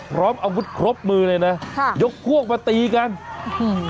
พร้อมอาวุธครบมือเลยนะค่ะยกพวกมาตีกันอื้อหือ